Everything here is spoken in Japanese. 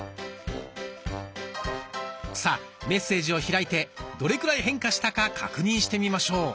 さあメッセージを開いてどれくらい変化したか確認してみましょう。